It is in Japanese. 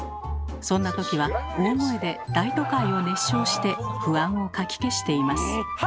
そんな時は大声で「大都会」を熱唱して不安をかき消しています。